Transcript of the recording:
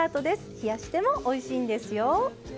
冷やしてもおいしいんですよ。